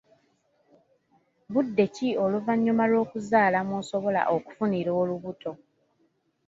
Budde ki oluvannyuma lw'okuzaala mw'osobola okufunira olubuto?